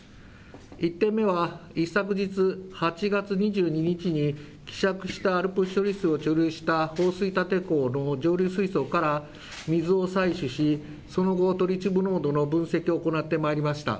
１点目は一昨日、８月２２日に希釈したＡＬＰＳ処理水を貯留したほ放水立て坑の上流水槽から水を採取しその後、トリチウム濃度の分析を行ってまいりました。